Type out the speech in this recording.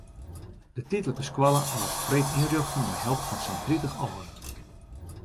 De tydlike skoalle waard freed ynrjochte mei help fan sa'n tritich âlden.